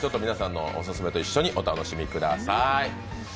皆さんのオススメと一緒にお楽しみください。